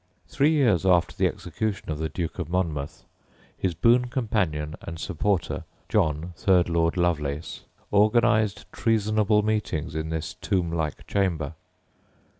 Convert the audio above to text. Three years after the execution of the Duke of Monmouth, his boon companion and supporter, John, third Lord Lovelace, organised treasonable meetings in this tomb like chamber.